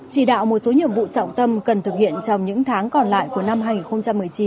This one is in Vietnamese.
chỉ đạo một số nhiệm vụ trọng tâm cần thực hiện trong những tháng còn lại của năm hai nghìn một mươi chín